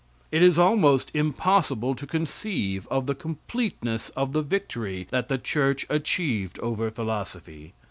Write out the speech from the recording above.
It is almost impossible to conceive of the completeness of the victory that the church achieved over philosophy.